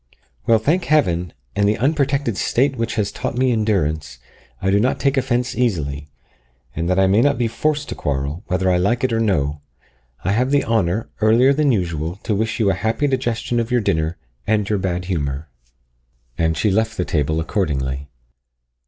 Well, thank Heaven, and the unprotected state which has taught me endurance, I do not take offence easily; and that I may not be forced to quarrel, whether I like it or no, I have the honour, earlier than usual, to wish you a happy digestion of your dinner and your bad humour." And she left the table accordingly.